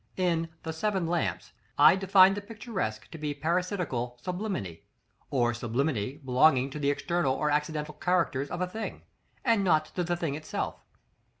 In the "Seven Lamps" I defined the picturesque to be "parasitical sublimity," or sublimity belonging to the external or accidental characters of a thing, not to the thing itself.